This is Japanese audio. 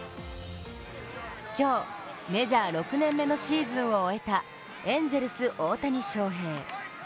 今日、メジャー６年目のシーズンを終えたエンゼルス・大谷翔平。